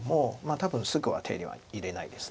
多分すぐは手は入れないです。